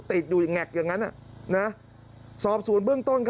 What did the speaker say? ในแบบสู่เดิม